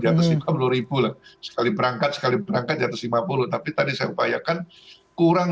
di atas lima puluh lah sekali berangkat sekali berangkat di atas lima puluh tapi tadi saya upayakan kurang